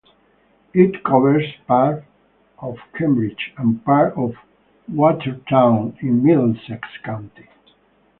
It covers part of Cambridge and part of Watertown in Middlesex County.